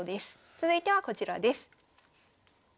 続いてはこちらです。